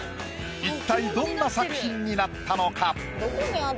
一体どんな作品になったのか？